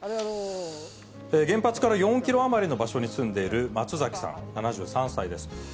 原発から４キロ余りの場所に住んでいる末崎さん７３歳です。